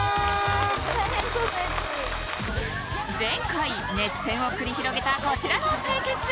前回熱戦を繰り広げたこちらの対決。